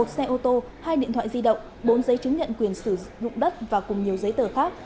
một xe ô tô hai điện thoại di động bốn giấy chứng nhận quyền sử dụng đất và cùng nhiều giấy tờ khác